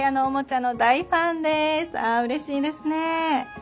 あうれしいですね。